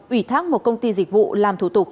ủy thác một công ty dịch vụ làm thủ tục